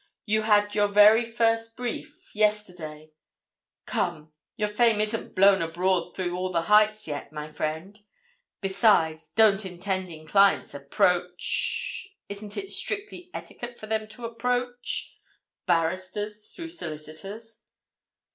"You had your very first brief—yesterday. Come—your fame isn't blown abroad through all the heights yet, my friend! Besides—don't intending clients approach—isn't it strict etiquette for them to approach?—barristers through solicitors?"